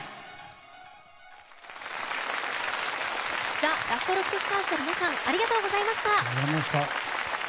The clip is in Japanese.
ＴＨＥＬＡＳＴＲＯＣＫＳＴＡＲＳの皆さんありがとうございました。